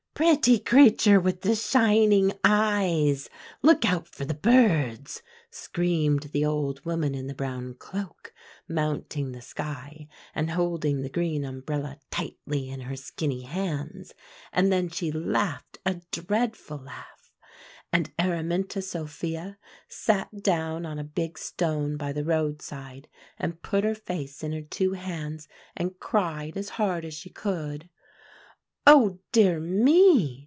"'Pretty creature with the shining eyes, look out for the birds!' screamed the old woman in the brown cloak, mounting the sky, and holding the green umbrella tightly in her skinny hands. And then she laughed a dreadful laugh. And Araminta Sophia sat down on a big stone by the roadside, and put her face in her two hands, and cried as hard as she could." "Oh, dear me!"